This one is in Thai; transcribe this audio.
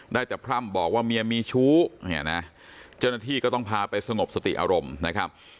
ได้แต่พร่ำบอกว่าเมียมีชู้เนี่ยนะเจ้าหน้าที่ก็ต้องพาไปสงบสติอารมณ์นะครับ